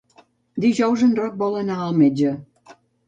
Dijous en Roc vol anar al metge.